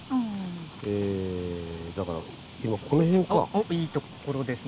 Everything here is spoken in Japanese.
おっいいところですね。